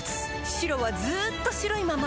白はずっと白いまま